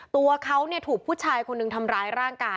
ตัวเขาถูกผู้ชายคนหนึ่งทำร้ายร่างกาย